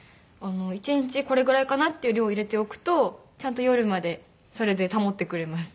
１日これぐらいかなっていう量を入れておくとちゃんと夜までそれで保ってくれます。